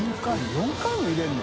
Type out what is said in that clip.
４回も入れるの？